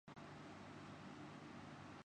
قومی بچت اسکیموں میں عوامی شمولیت میں کمی کا رحجان